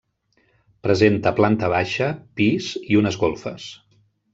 Presenta planta baixa, pis, i unes golfes.